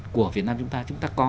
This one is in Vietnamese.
của việt nam chúng ta chúng ta có